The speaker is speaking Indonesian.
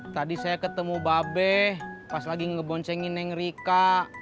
tadi saya ketemu babe pas lagi ngebonsengin neng rika